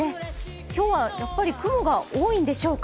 今日はやっぱり雲が多いんでしょうか。